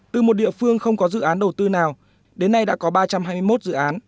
từ một địa phương không có dự án đầu tư nào đến nay đã có ba trăm hai mươi một dự án